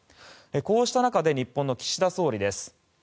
こうした中で日本の岸田総理です。